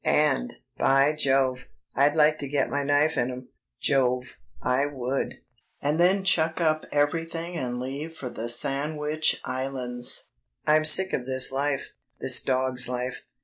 And, by Jove, I'd like to get my knife in him; Jove, I would. And then chuck up everything and leave for the Sandwich Islands. I'm sick of this life, this dog's life....